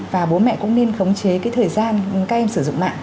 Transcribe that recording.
và bố mẹ cũng nên khống chế cái thời gian các em sử dụng mạng